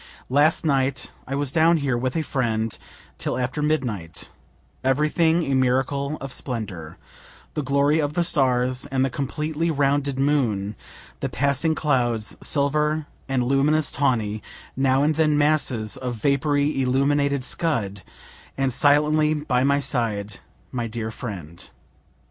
Last night I was down here with a friend till after midnight; everything a miracle of splendor the glory of the stars, and the completely rounded moon the passing clouds, silver and luminous tawny now and then masses of vapory illuminated scud and silently by my side my dear friend.